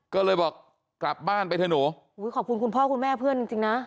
ก็เลยบอกกลับบ้านไปเถอะหนูอุ้ยขอบคุณคุณพ่อคุณแม่เพื่อนจริงจริงนะ